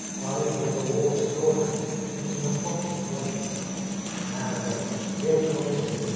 Ivy never wore a straw hat, even in the hottest weather, "Now wait. He'll come to.